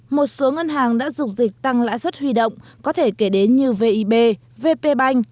một số ngân hàng đã dục dịch tăng lãi suất huy động có thể kể đến như vip vp bank